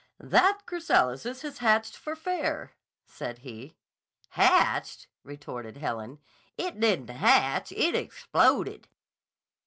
"That chrysalis has hatched for fair," said he. "Hatched!" retorted Helen. "It didn't hatch. It exploded!"